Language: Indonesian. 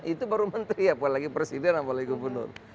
itu baru menteri apalagi presiden apalagi gubernur